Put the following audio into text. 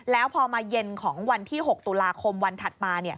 แล้วพอมาเย็นของวันที่๖ตุลาคมวันถัดมา